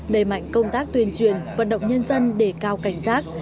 đẩy mạnh công tác tuyên truyền vận động nhân dân để cao cảnh giác